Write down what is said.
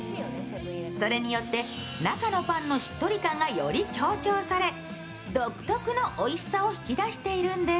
それによって中のパンのしっとり感がより強調され独特のおいしさを引きだしているんです。